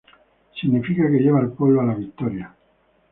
Significa ""que lleva al pueblo a la victoria"".